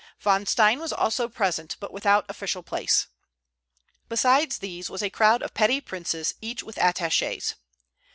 Von Stein was also present, but without official place. Besides these was a crowd of petty princes, each with attachés.